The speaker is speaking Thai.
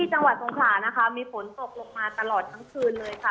จังหวัดสงขลานะคะมีฝนตกลงมาตลอดทั้งคืนเลยค่ะ